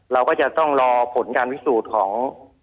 เราก็จะต้องรอผลการพิสูจน์ของ